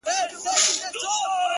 o و ماته عجيبه دي توري د ؛